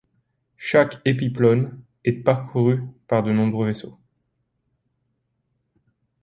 Chaque épiploon est parcouru par de nombreux vaisseaux.